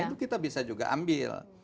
itu kita bisa juga ambil